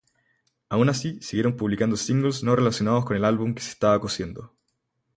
Aun así siguieron publicando singles no relacionados con el álbum que se estaba cociendo.